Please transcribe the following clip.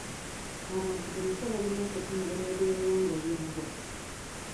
Abantu bulijjo balina okutumbula ebyobuwangwa byabwe.